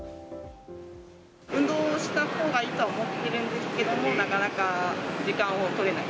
運動したほうがいいとは思ってるんですけども、なかなか時間を取れない。